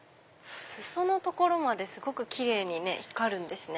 裾の所まですごく奇麗に光るんですね。